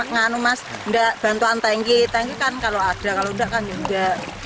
nggak bantuan tanki tanki kan kalau ada kalau nggak kan juga